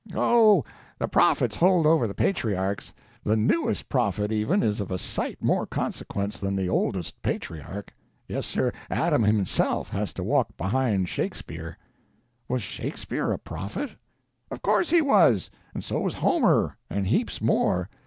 "Oh, the prophets hold over the patriarchs. The newest prophet, even, is of a sight more consequence than the oldest patriarch. Yes, sir, Adam himself has to walk behind Shakespeare." "Was Shakespeare a prophet?" "Of course he was; and so was Homer, and heaps more.